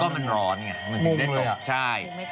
มันร้อนไงมันถึงได้ตกใช่